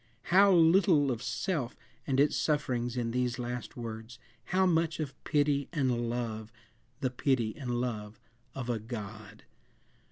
How little of self and its sufferings in these last words; how much of pity and love the pity and love of a God!